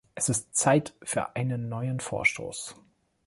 Es ist Zeit für einen neuen Vorstoß.